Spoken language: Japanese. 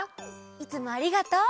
いつもありがとう。